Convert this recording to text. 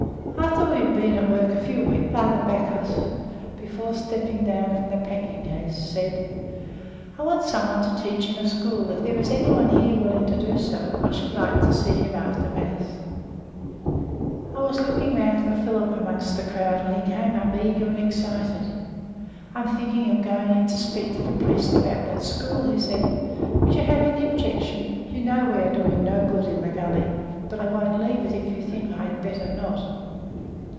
After we had been at work a few weeks, Father Backhaus, before stepping down from the packing case, said: "I want someone to teach in a school; if there is anyone here willing to do so, I should like to see him after Mass." I was looking round for Philip among the crowd when he came up, eager and excited. "I am thinking of going in to speak to the priest about that school," he said. "Would you have any objection? You know we are doing no good in the gully, but I won't leave itif you think I had better not."